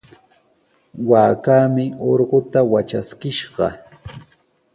Waakaami urquta watraskishqa.